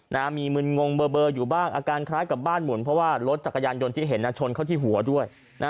มีมึนงงเบอร์อยู่บ้างอาการคล้ายกับบ้านหมุนเพราะว่ารถจักรยานยนต์ที่เห็นชนเข้าที่หัวด้วย